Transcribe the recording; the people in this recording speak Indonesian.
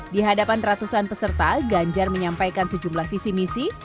di hadapan ratusan peserta ganjar menyampaikan sejumlah visi misi